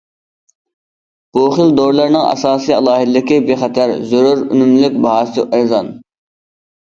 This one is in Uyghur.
بۇ خىل دورىلارنىڭ ئاساسىي ئالاھىدىلىكى بىخەتەر، زۆرۈر، ئۈنۈملۈك، باھاسى ئەرزان.